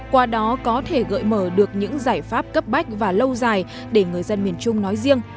qua đó có thể gợi mở được những giải pháp cấp bách và lâu dài để người dân miền trung nói riêng